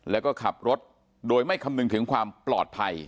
แล้วก็ขับรถโดยไม่คำนึงถึงความปลอดภัย